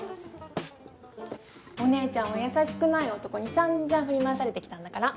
お姉ちゃんは優しくない男に散々振り回されてきたんだから。